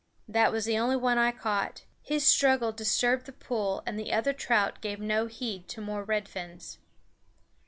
That was the only one I caught. His struggle disturbed the pool, and the other trout gave no heed to more red fins.